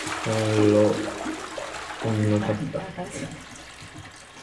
It will hybridize with those and other close relatives.